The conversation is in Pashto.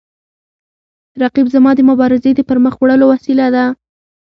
رقیب زما د مبارزې د پرمخ وړلو وسیله ده